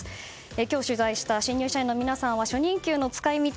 今日取材した新入社員の皆さんは初任給の使い道